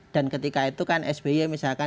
dan ketika itu kan sby misalkan